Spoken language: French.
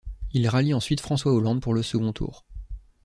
Il rallie ensuite François Hollande pour le second tour.